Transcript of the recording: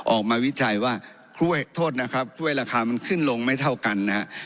วิจัยว่ากล้วยโทษนะครับถ้วยราคามันขึ้นลงไม่เท่ากันนะครับ